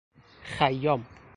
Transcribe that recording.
خیام